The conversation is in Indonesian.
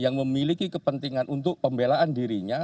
yang memiliki kepentingan untuk pembelaan dirinya